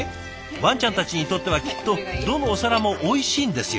ワンちゃんたちにとってはきっとどのお皿もおいしいんですよ。